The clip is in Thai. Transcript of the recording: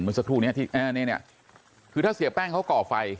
เหมือนสักครู่เนี้ยที่อ่าเนี้ยเนี้ยคือถ้าเสียแป้งเขาก่อไฟ